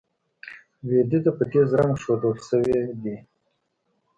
لوېدیځه په تېز رنګ ښودل شوي دي.